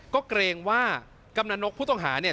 ก็เกรงว่ากำนันนกผู้ต้องหาเนี่ย